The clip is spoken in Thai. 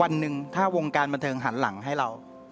วันหนึ่งถ้าวงการบันเทิงหันหลังให้เรา